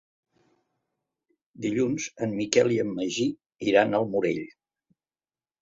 Dilluns en Miquel i en Magí iran al Morell.